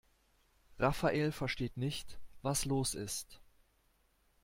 Rafael versteht nicht, was los ist.